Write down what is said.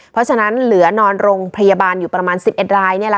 เพราะฉะนั้นเหลือนอนโรงพยาบาลอยู่ประมาณ๑๑ราย